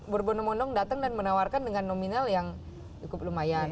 berbondong bondong datang dan menawarkan dengan nominal yang cukup lumayan